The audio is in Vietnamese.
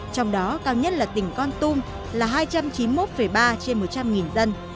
trong đó cao nhất là tỉnh con tum là hai trăm chín mươi một ba trên một trăm linh dân